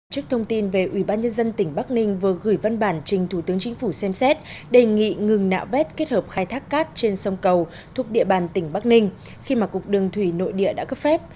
trước thông tin về ubnd tỉnh bắc ninh vừa gửi văn bản trình thủ tướng chính phủ xem xét đề nghị ngừng nạo vét kết hợp khai thác cát trên sông cầu thuộc địa bàn tỉnh bắc ninh khi mà cục đường thủy nội địa đã cấp phép